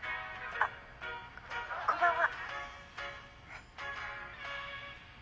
あっこんばんは。